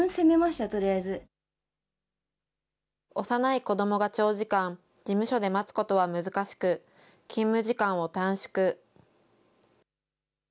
幼い子どもが長時間、事務所で待つことは難しく、勤務時間を短縮。